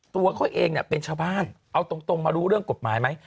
ตัวเขาเองเนี่ยเป็นชาวบ้านเอาตรงมารู้เรื่องกฎหมายไหม